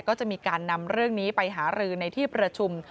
ก็จะมีการนำเรื่องนี้ไปหารือในที่ประชุม